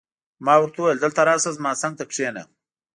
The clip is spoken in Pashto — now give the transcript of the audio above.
ما ورته وویل: دلته راشه، زما څنګ ته کښېنه.